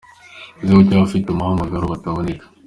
Ese kuki abafite umuhamagaro bataboneka